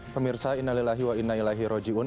pemirsa innalillahi wa innalillahi rojiun